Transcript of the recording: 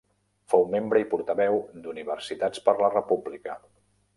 Fou membre i portaveu d'Universitats per la República.